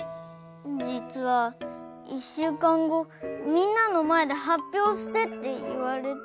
じつはいっしゅうかんごみんなのまえではっぴょうしてっていわれて。